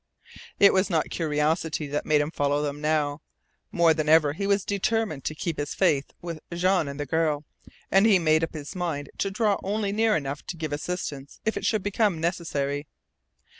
It was not curiosity that made him follow them now. More than ever he was determined to keep his faith with Jean and the girl, and he made up his mind to draw only near enough to give his assistance if it should become necessary.